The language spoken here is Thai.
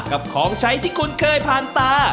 ของใช้ที่คุณเคยผ่านตา